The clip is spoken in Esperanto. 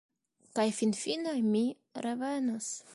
Kaj finfine mi revenos.